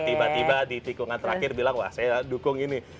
tiba tiba di tikungan terakhir bilang wah saya dukung ini